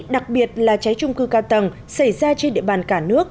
đặc biệt là cháy trung cư cao tầng xảy ra trên địa bàn cả nước